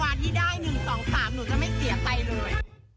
ไปแต่พี่ประกวดมา๕ชุดพระวาที่ได้หนูจะไม่เสียไปเลย